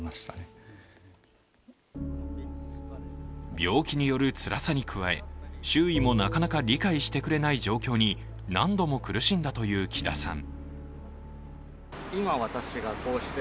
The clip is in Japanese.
病気によるつらさに加え、周囲もなかなか理解してくれない状況に何度も苦しんだという木田さん。